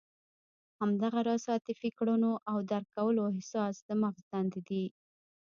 همدغه راز عاطفي کړنو او درک کولو احساس د مغز دندې دي.